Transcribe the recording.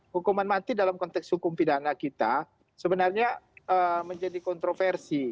hukuman mati dalam konteks hukum pidana kita sebenarnya menjadi kontroversi